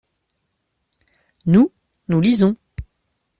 Nous, nous lisons.